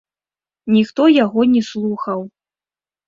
Ніхто яго не слухаў.